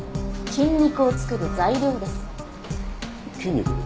筋肉？